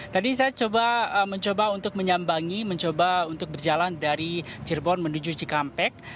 tadi saya coba mencoba untuk menyambangi mencoba untuk berjalan dari cirebon menuju cikampek